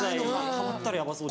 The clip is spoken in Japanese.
ハマったらヤバそう。